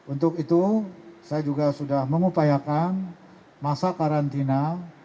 untuk itu saya juga sudah mengupayakan masa karantina